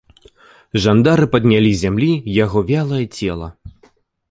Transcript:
Жандары паднялі з зямлі яго вялае цела.